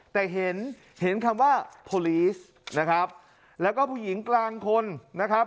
แต่เห็นเห็นคำว่าโพลีสนะครับแล้วก็ผู้หญิงกลางคนนะครับ